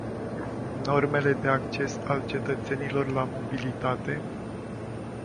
Normele de acces al cetățenilor la mobilitate?